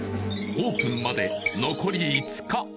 オープンまで残り５日